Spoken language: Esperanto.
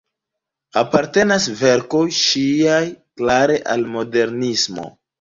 Apartenas verkoj ŝiaj klare al modernismo.